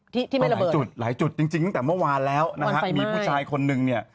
ที่มาหลายจุดหลายจุดจริงจริงตั้งแต่เมื่อวานแล้วนะฮะมีผู้ชายคนนึงเนี่ย